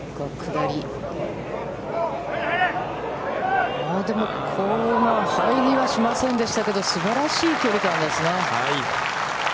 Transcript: でも、これは入りはしませんでしたけれどもすばらしい距離感ですね。